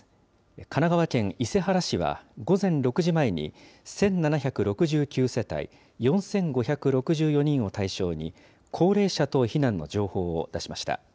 神奈川県伊勢原市は、午前６時前に１７６９世帯４５６４人を対象に、高齢者等避難の情報を出しました。